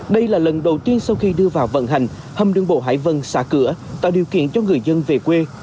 đây là lần đầu tiên sau khi đưa vào vận hành hầm đường bộ hải vân xả cửa tạo điều kiện cho người dân về quê